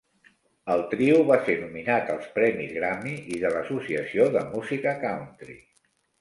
El trio va ser nominat als premis Grammy i de l'Associació de Música Country.